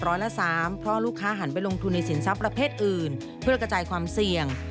เพราะลูกค้าหันไปลงทุนในสินทรัพย์ประเภทอื่นเพื่อกระจายความเสี่ยง